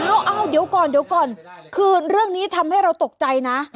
เอาเดี๋ยวก่อนเดี๋ยวก่อนคือเรื่องนี้ทำให้เราตกใจนะ